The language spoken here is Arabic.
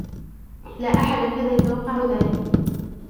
لا أحد كان يتوقع ذلك.